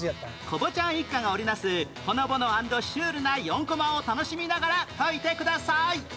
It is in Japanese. コボちゃん一家が織り成すほのぼの＆シュールな４コマを楽しみながら解いてください